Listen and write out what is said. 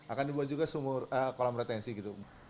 akan dibuat juga kolam retensi